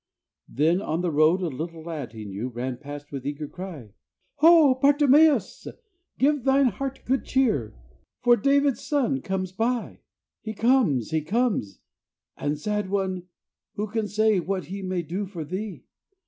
Then on the road a little lad he knew Ran past, with eager cry, "Ho, Bartimeus! Give thine heart good cheer, For David's Son comes by! "He comes! He comes! And, sad one, who can say What He may do for thee?